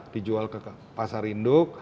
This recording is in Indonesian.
dijual ke pasar induk